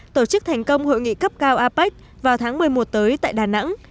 tổ chức thành công hội nghị cấp cao apec vào tháng một mươi một tới tại đà nẵng